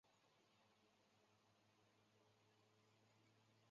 折梗紫金牛为报春花科紫金牛属下的一个种。